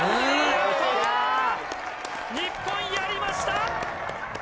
日本やりました。